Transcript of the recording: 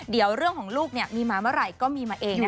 เดี๋ยวเรื่องของลูกมีมาเมื่อไหร่ก็มีมาเอง